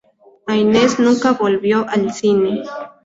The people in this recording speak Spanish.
Haines nunca volvió al cine.